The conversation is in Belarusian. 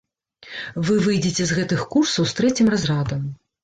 Вы выйдзеце з гэтых курсаў з трэцім разрадам.